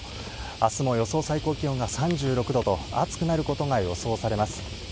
あすも予想最高気温が３６度と、暑くなることが予想されます。